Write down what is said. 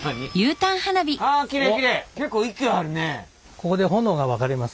ここで炎が分かれます。